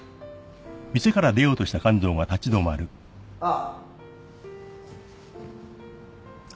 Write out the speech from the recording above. ああ。